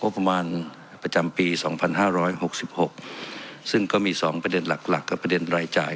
ประมาณประจำปี๒๕๖๖ซึ่งก็มี๒ประเด็นหลักหลักกับประเด็นรายจ่าย